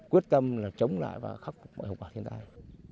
quyết tâm là chống lại và khắc phục mọi hậu quả hiện tại